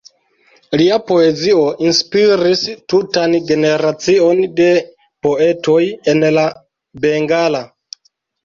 Lia poezio inspiris tutan generacion de poetoj en la bengala.